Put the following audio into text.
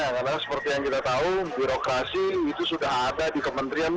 karena seperti yang kita tahu birokrasi itu sudah ada di kementerian muda